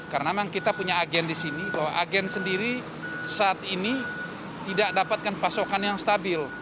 karena memang kita punya agen di sini bahwa agen sendiri saat ini tidak dapatkan pasokan yang stabil